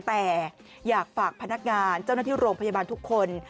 แต่อยากฝากพนักงานเจ้าหน้าที่โรงพยาบาลทุกคน